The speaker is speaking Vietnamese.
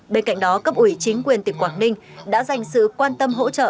bên cạnh đó cấp ủy chính quyền tỉnh quảng ninh đã dành sự quan tâm hỗ trợ